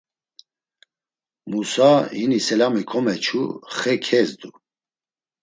Musa, hini selami komeçu, xe kezdu.